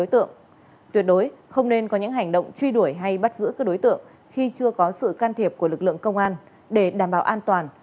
tuyệt đối không nên có những hành động truy đuổi hay bắt giữ các đối tượng khi chưa có sự can thiệp của lực lượng công an để đảm bảo an toàn